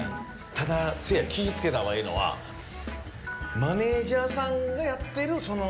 ただせいや気ぃ付けた方がええのはマネジャーさんがやってる。